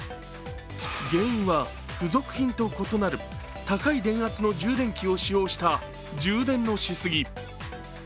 原因は、付属品と異なる高い電圧の充電器を使用した充電のしすぎ。